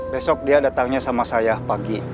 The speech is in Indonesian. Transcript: besok dia datangnya sama saya pagi